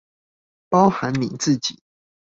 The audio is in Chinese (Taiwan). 包含你自己